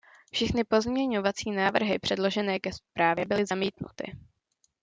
Všechny pozměňovací návrhy předložené ke zprávě byly zamítnuty.